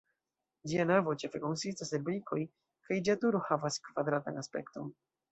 Ĝia navo ĉefe konsistas el brikoj, kaj ĝia turo havas kvadratan aspekton.